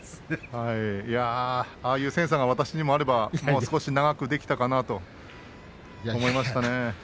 ああいうセンサーが私にもあればもう少し長くできたかなと思いますね。